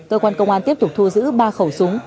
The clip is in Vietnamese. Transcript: cơ quan công an tiếp tục thu giữ ba khẩu súng